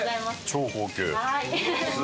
超高級？